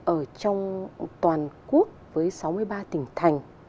ở trong toàn quốc với sáu mươi ba tỉnh thành